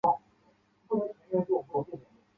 中间雀麦为禾本科雀麦属下的一个种。